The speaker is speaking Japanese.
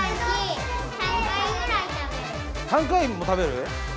３回も食べる？